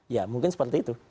ya mungkin seperti itu